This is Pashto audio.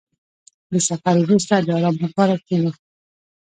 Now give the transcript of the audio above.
• د سفر وروسته، د آرام لپاره کښېنه.